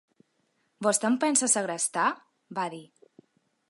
Vostè em pensa segrestar?, va dir.